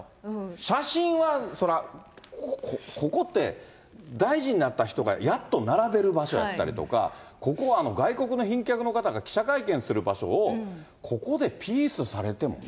写真はそら、ここって、大臣になった人がやっと並べる場所やったりとか、ここは外国の賓客の方が記者会見する場所を、ここでピースされてもね。